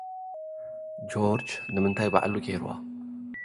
ጆርጅ ንምንታይ ባዕሉ ገይርዎ?